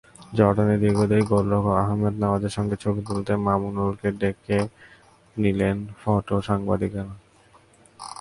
জর্ডানের দীর্ঘদেহী গোলরক্ষক আহমেদ নওয়াজের সঙ্গে ছবি তুলতে মামুনুলকে ডেকে নিলেন ফটোসাংবাদিকেরা।